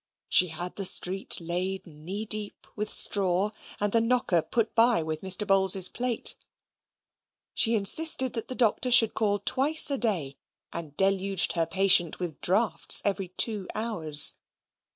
She had the street laid knee deep with straw; and the knocker put by with Mr. Bowls's plate. She insisted that the Doctor should call twice a day; and deluged her patient with draughts every two hours.